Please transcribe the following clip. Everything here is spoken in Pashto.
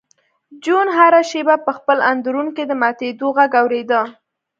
جون هره شېبه په خپل اندرون کې د ماتېدو غږ اورېده